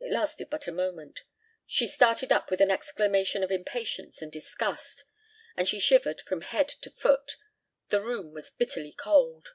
It lasted but a moment. She started up with an exclamation of impatience and disgust; and she shivered from head to foot. The room was bitterly cold.